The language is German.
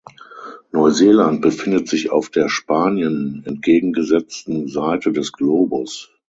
Neuseeland befindet sich auf der Spanien entgegengesetzten Seite des Globus.